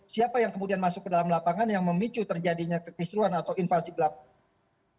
siapa yang kemudian masuk ke dalam lapangan yang memicu terjadinya kekisruan atau invasi belakang